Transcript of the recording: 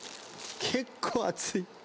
結構熱い。